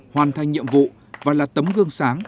hoàn thành nhiệm vụ và là tấm gương sáng